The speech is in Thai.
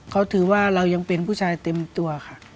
เขาถือว่าเรายังเป็นผู้ชายเต็มตัวค่ะ